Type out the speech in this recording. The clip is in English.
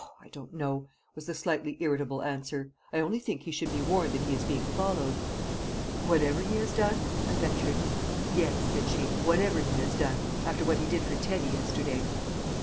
I don't know," was the slightly irritable answer. "I only think he should be warned that he is being followed." "Whatever he has done?" I ventured. "Yes!" said she. "Whatever he has done after what he did for Teddy yesterday!"